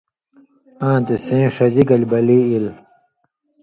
آں تے سیں ݜژی گلے بلی ایل؛